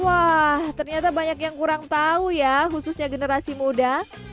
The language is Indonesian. wah ternyata banyak yang kurang tahu ya khususnya generasi muda